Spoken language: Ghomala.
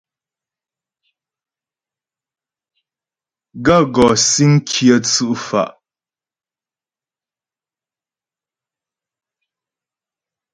Gaə̂ gɔ́ síŋ kyə tsʉ́' fá'.